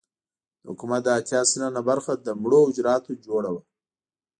د حکومت دا اتيا سلنه برخه له مړو حجراتو جوړه وه.